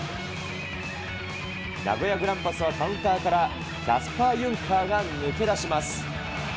名古屋グランパスは、カウンターから、キャスパー・ユンカーが抜け出します。